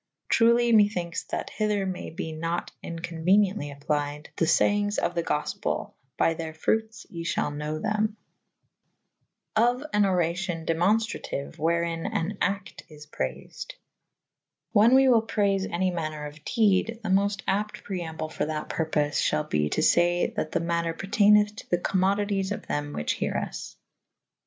Truely methynkethe that hyther may be nat inco« uenie«tly applied the faye«g« of the gofpel / by theyr fruits you fhal knowe thew. [C iii b] ^ Of an oration Demonftratiue / wherein an acte is prayfed. Whan we wyll prayfe any maner of dede / the moft apte pre amble for that purpofe Ihall be to fay that the mater p^rteineth' to the commodities of them which here vs.